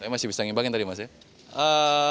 masih bisa ngembangin tadi mas ya